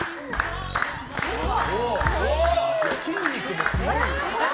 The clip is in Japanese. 筋肉もすごい。